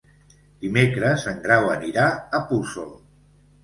Dimecres en Grau anirà a Puçol.